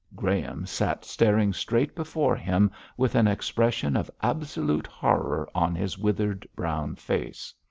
Graham sat staring straight before him with an expression of absolute horror on his withered brown face.